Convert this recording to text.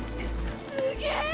すげえ！